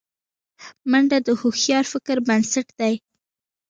منډه د هوښیار فکر بنسټ دی